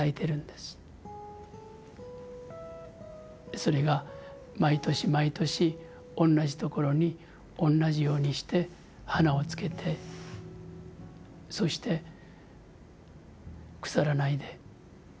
それが毎年毎年同じ所に同じようにして花をつけてそしてくさらないで。